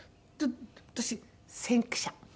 私先駆者。